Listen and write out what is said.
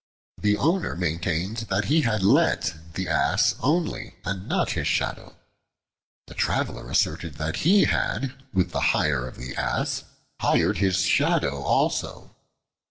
The owner maintained that he had let the Ass only, and not his Shadow. The Traveler asserted that he had, with the hire of the Ass, hired his Shadow also.